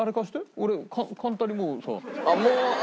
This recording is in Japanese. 俺簡単にもうさ。